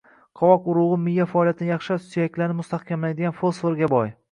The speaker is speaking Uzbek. Qovoq urug‘i miya faoliyatini yaxshilab, suyaklarni mustahkamlaydigan fosforga boy